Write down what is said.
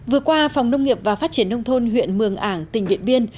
vừa qua phòng nông nghiệp và phát triển nông thôn huyện mường ảng tỉnh điện biên